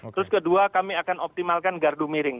terus kedua kami akan optimalkan gardu miring